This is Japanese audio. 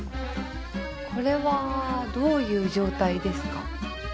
これはどういう状態ですか？